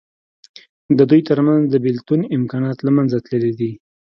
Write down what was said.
د دوی تر منځ د بېلتون امکانات له منځه تللي دي.